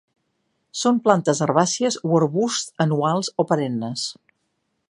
Són plantes herbàcies o arbusts anuals o perennes.